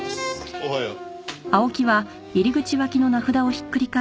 おはよう。